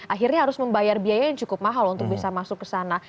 akhirnya harus membayar biaya yang cukup mahal untuk bisa masuk ke sana